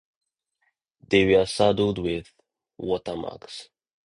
They were saddled with watermarks.